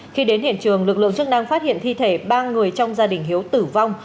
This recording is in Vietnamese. khi đến hiện trường lực lượng chức năng phát hiện thi thể ba người trong gia đình hiếu tử vong